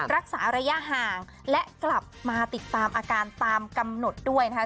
รักษาระยะห่างและกลับมาติดตามอาการตามกำหนดด้วยนะคะ